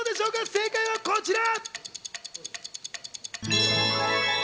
正解はこちら！